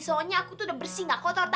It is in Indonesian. soalnya aku tuh udah bersih nggak kotor tahu